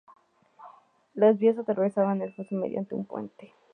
Las vías atravesaban el foso mediante un puente.